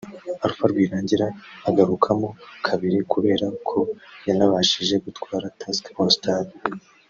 Alpha Rwirangira agarukamo kabiri kubera ko yanabashije gutwara Tusker all Star